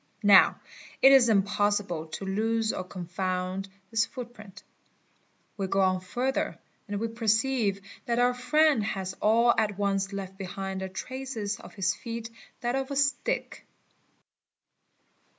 Now it is impossible to lose or confound this footprint. We go on further and we perceive that our friend has all at once left beside the traces of his feet that of a stick.